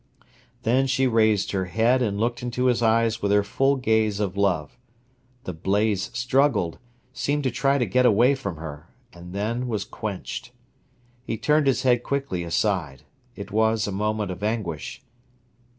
Then she raised her head and looked into his eyes with her full gaze of love. The blaze struggled, seemed to try to get away from her, and then was quenched. He turned his head quickly aside. It was a moment of anguish.